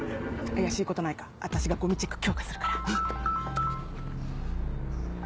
怪しいことないか私がゴミチェック強化するから。